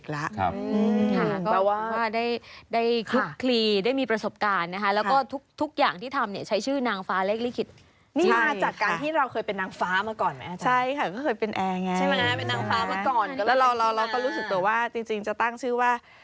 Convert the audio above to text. แล้วเราก็รู้สึกต่อว่าจริงจะตั้งชื่อว่า